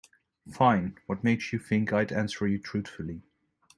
Fine, what makes you think I'd answer you truthfully?